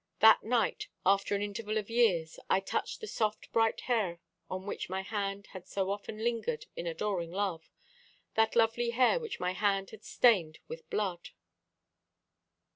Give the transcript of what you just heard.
That night, after an interval of years, I touched the soft bright hair on which my hand had so often lingered in adoring love that lovely hair which my hand had stained with blood."